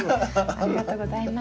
ありがとうございます。